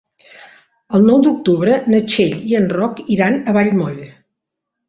El nou d'octubre na Txell i en Roc iran a Vallmoll.